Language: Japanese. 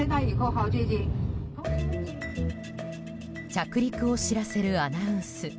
着陸を知らせるアナウンス。